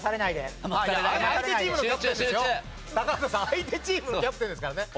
相手チームのキャプテンですからね。